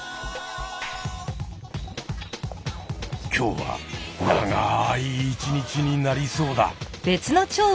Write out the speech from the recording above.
今日は長い一日になりそうだ。